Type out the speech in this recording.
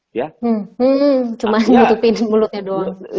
cuma menutup mulutnya doang